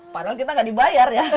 padahal kita nggak dibayar ya